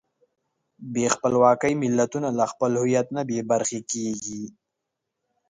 بې خپلواکۍ ملتونه له خپل هویت نه بېبرخې کېږي.